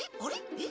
えっ？